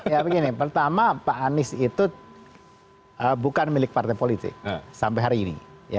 ya begini pertama pak anies itu bukan milik partai politik sampai hari ini